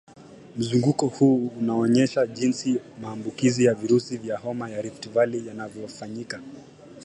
Mzunguko huu unaoonyesha jinsi maambukizi ya virusi vya homa ya Rift Valley yanavyofanyika